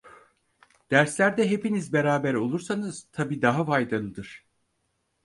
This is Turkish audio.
Derslerde hepiniz beraber olursanız tabii daha faydalıdır.